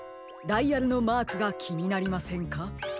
ダイヤルのマークがきになりませんか？